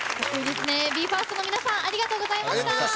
ＢＥ：ＦＩＲＳＴの皆さんありがとうございました。